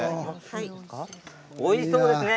おいしそうですね。